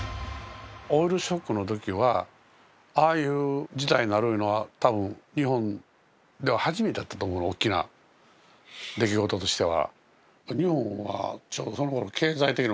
オイルショックの時はああいう事態になるいうのは多分日本では初めてやったと思うおっきな出来事としては。